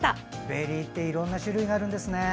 ベリーっていろんな種類があるんですね。